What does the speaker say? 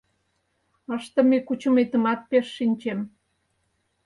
Ыштыме-кучыметымат пеш шинчем.